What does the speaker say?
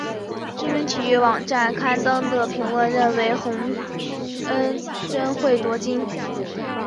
知名体育网站刊登的评论认为洪恩贞会夺金。